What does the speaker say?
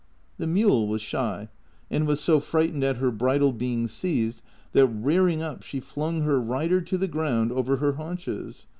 The mule was shy, and was so frightened at her bridle being seized that rearing up she flung her rider to the ground over her haunches.